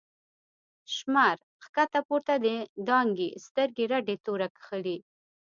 ” شمر” ښکته پورته دانگی، سترگی رډی توره کښلی